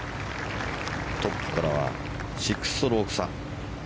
トップからは６ストローク差。